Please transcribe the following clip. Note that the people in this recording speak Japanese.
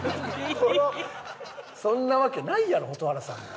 そんなわけないやろ蛍原さんが。